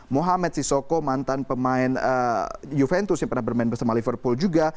mohamed sisoko mantan pemain juventus yang pernah bermain bersama liverpool juga